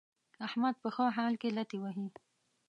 احمد په ښه حال کې لتې وهي.